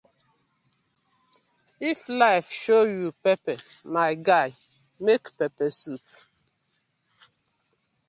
If life dey show you pepper, my guy make pepper soup.